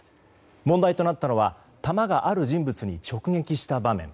問題となったのは球がある人物に直撃した場面。